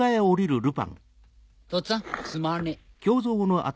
・とっつぁんすまねえ。